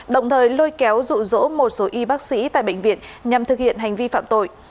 đồng thời lôi kéo rụ rỗ một số y bác sĩ tại bệnh viện nhằm thực hiện hành vi phạm tội